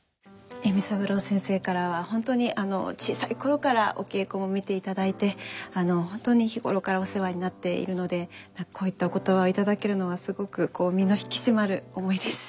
笑三郎先生からは本当に小さい頃からお稽古も見ていただいて本当に日頃からお世話になっているのでこういったお言葉を頂けるのはすごくこう身の引き締まる思いです。